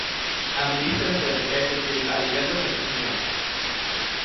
A ministra entende que hai que seguir aliviando restricións.